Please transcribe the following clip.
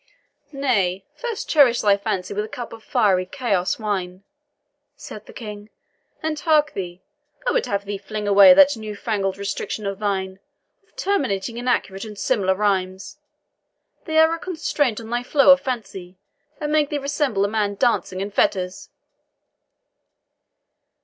"Nay, first cherish thy fancy with a cup of fiery Chios wine," said the King. "And hark thee, I would have thee fling away that new fangled restriction of thine, of terminating in accurate and similar rhymes. They are a constraint on thy flow of fancy, and make thee resemble a man dancing in fetters."